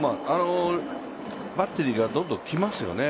バッテリーがどんどんきますよね。